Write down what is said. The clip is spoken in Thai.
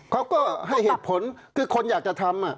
เขาก็ให้เหตุผลคือคนอยากจะทำ